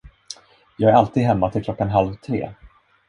Jag är alltid hemma till klockan halv tre.